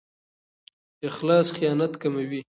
اخلاص خیانت کموي.